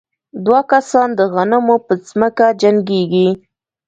دوه کسان د غنمو په ځمکه جنګېږي.